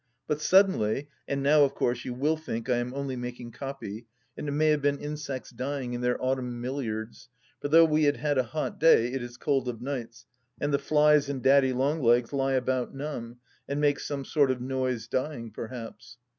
... But suddenly — and now of course you will think I am only making copy, and it may have been insects dying in their autumn milliards, for though we had had a hot day it is cold of nights, and the flies and daddy long legs lie about numb, and make some sort of noise dying, perhaps.